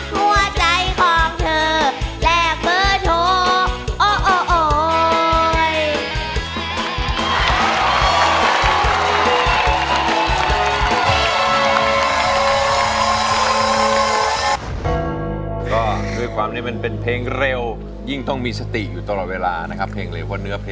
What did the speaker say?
หัวใจของเธอแหลกเบอร์โทรโอ้โอ้โอ้